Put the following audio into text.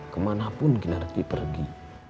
kemanapun kinanti pergi